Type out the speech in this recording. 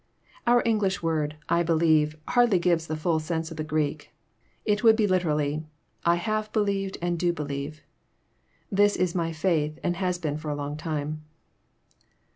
Our English word, " I believe," hardly gives the fhll sense of the Greek. It would be literally, I have believed, and do believe." This is my faith, and has been for a long time.